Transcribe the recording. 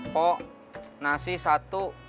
po nasi satu